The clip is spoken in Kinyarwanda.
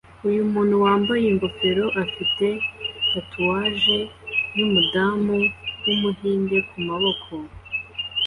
Uyu muntu wambaye ingofero afite tatouage yumudamu wumuhinde kumaboko